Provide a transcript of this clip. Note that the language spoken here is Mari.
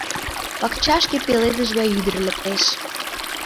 Пакчашке пеледыш гай ӱдыр лектеш —